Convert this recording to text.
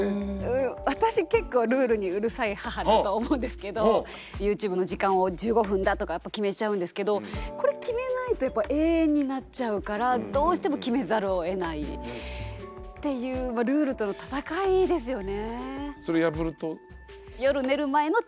私結構ルールにうるさい母だと思うんですけどＹｏｕＴｕｂｅの時間を１５分だとかやっぱ決めちゃうんですけどこれ決めないとやっぱ永遠になっちゃうからどうしても決めざるをえないっていうそれ破ると？